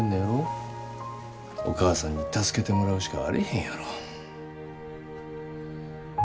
お義母さんに助けてもらうしかあれへんやろ。